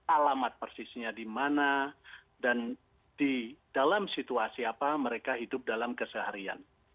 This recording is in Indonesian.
alamat persisnya di mana dan di dalam situasi apa mereka hidup dalam keseharian